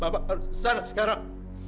mama harus ke sana sekarang